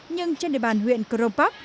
nhưng trên địa bàn huyện crong park